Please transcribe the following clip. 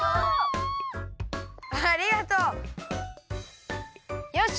ありがとう！よし！